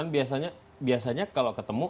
biasanya kalau ketemu